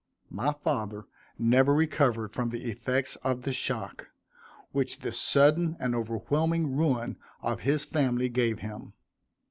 My father never recovered from the effects of the shock, which this sudden and overwhelming ruin of his family gave him.